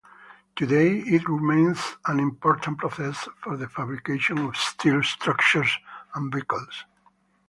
Today it remains an important process for the fabrication of steel structures and vehicles.